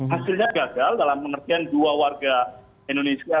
hasilnya gagal dalam pengertian dua warga indonesia